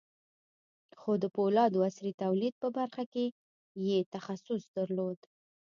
خو د پولادو د عصري توليد په برخه کې يې تخصص درلود.